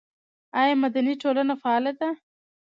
آیا مدني ټولنه فعاله ده؟